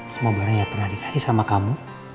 semua barang yang pernah dikai sama kamu